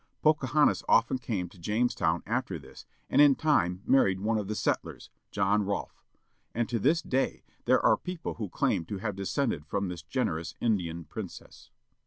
Pocahontas often came to Jamestown after this and in time married one of the settlers, John Rolfe. And to this day there are people who claim to have descended from this generous Indian princess.